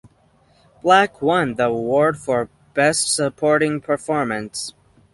Black won the award for Best Supporting Performance.